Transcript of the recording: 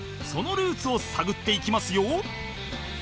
そのルーツを探っていきますよ